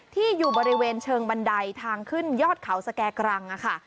ที่อยู่บริเวณเชิงบันไดทางขึ้นยอดเขาสแก่กรังค่ะ